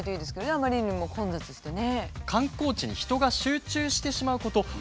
あまりにも混雑してね。